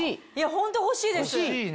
ホント欲しいです。